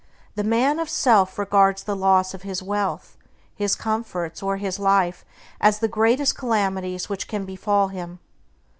The man of self regards the loss of his wealth, his comforts, or his life as the greatest calamities which can befall him.